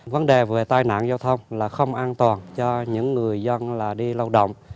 vấn đề về tai nạn giao thông là không an toàn cho những người dân đi lao động